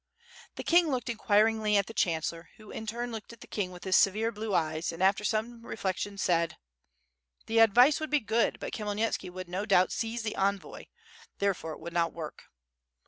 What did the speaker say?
The king looked inquiringly at the chancellor, who in turn looked at the king with his severe blue eyes, and after some reflection said: "The advice would be good, but Khmyelnitski would no doubt seize the envoy; therefore it would not work."